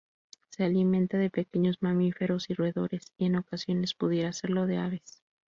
Se alimenta de pequeños mamíferos y roedores y en ocasiones pudiera hacerlo de aves.